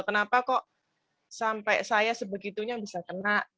kenapa kok sampai saya sebegitunya bisa kena